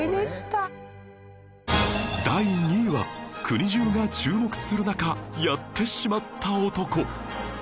第２位は国中が注目する中やってしまった男